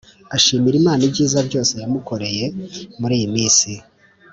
arashimira imana ibyiza byose yamukoreye muri iyiminsi